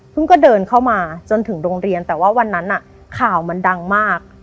ก็เดินเข้ามาจนถึงโรงเรียนแต่ว่าวันนั้นข่าวมันดังมาก